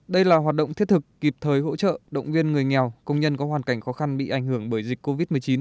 đây là hoạt động thiết thực kịp thời hỗ trợ động viên người nghèo công nhân có hoàn cảnh khó khăn bị ảnh hưởng bởi dịch covid một mươi chín